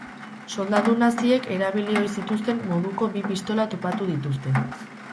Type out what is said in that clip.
Soldadu naziek erabili ohi zituzten moduko bi pistola topatu dituzte.